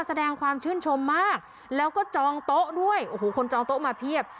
แสดงความชื่นชมมากแล้วก็จองโต๊ะด้วยโอ้โหคนจองโต๊ะมาเพียบ